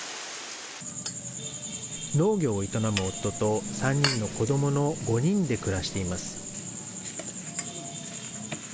農業を営む夫と３人の子どもの５人で暮らしています。